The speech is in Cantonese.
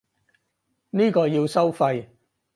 呢個要收費